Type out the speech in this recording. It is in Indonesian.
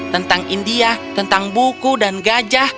tentang india tentang buku dan gajah